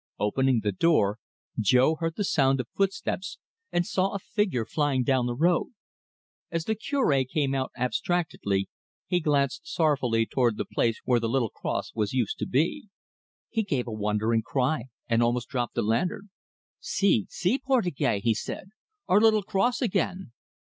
Opening the door, Jo heard the sound of footsteps and saw a figure flying down the road. As the Cure came out abstractedly, he glanced sorrowfully towards the place where the little cross was used to be. He gave a wondering cry, and almost dropped the lantern. "See, see, Portugais," he said, "our little cross again!"